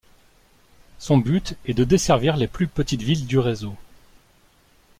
Son but est de desservir les plus petites villes du réseau.